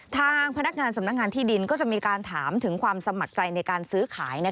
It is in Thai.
ทางพนักงานสำนักงานที่ดินก็จะมีการถามถึงความสมัครใจในการซื้อขาย